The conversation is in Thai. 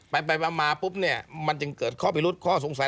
ไปมาปุ๊บนี้มันจึงเกิดข้อผิดหรือข้อสงสัย